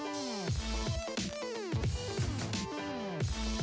oh nggak ada apa apa sih